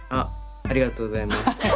ありがとうございます。